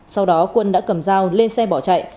sau đó quân đã cầm dao lên xe bỏ chạy